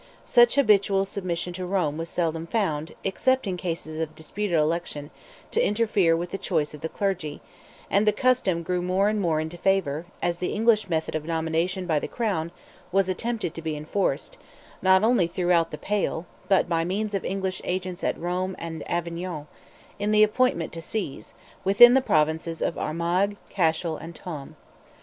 Such habitual submission to Rome was seldom found, except in cases of disputed election, to interfere with the choice of the clergy, and the custom grew more and more into favour, as the English method of nomination by the crown was attempted to be enforced, not only throughout "the Pale," but, by means of English agents at Rome and Avignon, in the appointment to sees, within the provinces of Armagh, Cashel, and Tuam.